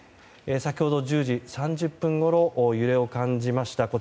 先ほど１０時３０分ごろ揺れを感じました。